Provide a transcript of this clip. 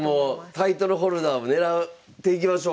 タイトルホルダーもねらっていきましょう。